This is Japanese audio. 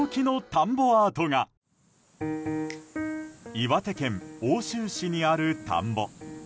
岩手県奥州市にある田んぼ。